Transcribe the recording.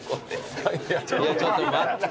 ちょっと待って。